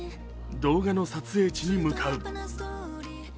動画の撮影地に向かう。